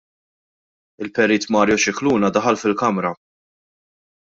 Il-Perit Mario Scicluna daħal fil-Kamra.